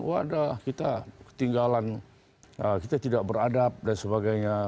wadah kita ketinggalan kita tidak beradab dan sebagainya